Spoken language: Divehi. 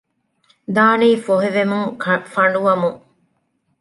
ދާނީ ފޮހެވެމުން ފަނޑުވަމުން